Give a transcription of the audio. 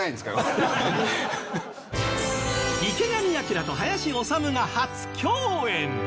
池上彰と林修が初共演！